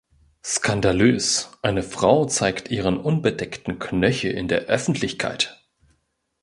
Skandalös! Eine Frau zeigt ihren unbedeckten Knöchel in der Öffentlichkeit.